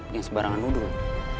yang sebarangan udung